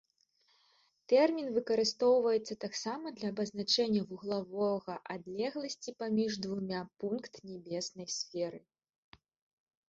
Тэрмін выкарыстоўваецца таксама для абазначэння вуглавога адлегласці паміж двума пункт нябеснай сферы.